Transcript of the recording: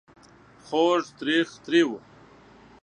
خوږ .. تریخ ... تریو ...